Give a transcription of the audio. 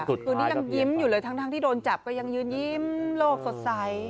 คือนี้ยังยิ้มอยู่เลยทั้งที่โดนจับก็ยังยืนยิ้มโลกสดใส